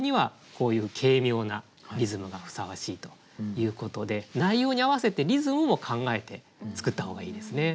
こういう軽妙なリズムがふさわしいということで内容に合わせてリズムも考えて作った方がいいですね。